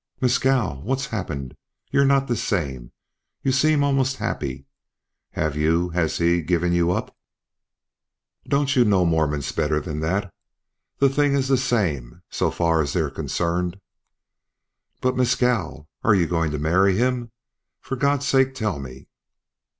"Mescal! What's happened? You're not the same. You seem almost happy. Have you has he given you up?" "Don't you know Mormons better than that? The thing is the same so far as they're concerned." "But Mescal are you going to marry him? For God's sake, tell me."